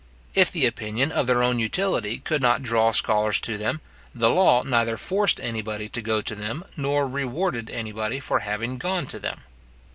If the opinion of their own utility could not draw scholars to them, the law neither forced anybody to go to them, nor rewarded anybody for having gone to them.